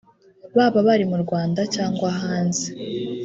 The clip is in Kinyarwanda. baba bari mu Rwanda cyangwa hanze